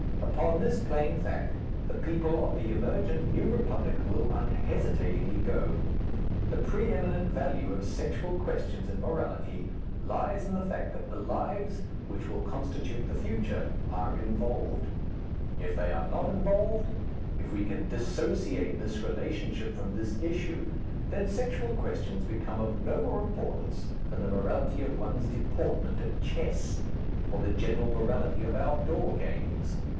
Upon this plain fact the people of the emergent New Republic will unhesitatingly go. The pre eminent value of sexual questions in morality lies in the fact that the lives which will constitute the future are involved. If they are not involved, if we can dissociate this relationship from this issue, then sexual questions become of no more importance than the morality of one's deportment at chess, or the general morality of outdoor games.